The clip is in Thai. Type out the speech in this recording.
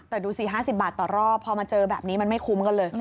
แต่ดูสิ๕๐บาทต่อรอบพอมาเจอแบบนี้มันไม่คุ้มกันเลย